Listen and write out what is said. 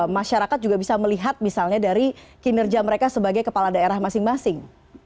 masyarakat juga bisa melihat misalnya dari kinerja mereka sebagai kepala daerah masing masing